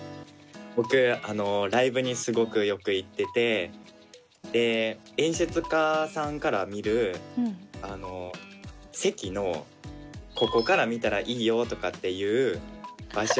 僕ライブにすごくよく行ってて演出家さんから見る席のここから見たらいいよとかっていう場所ありますか？